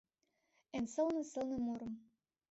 Эн сылне-сылне мурым.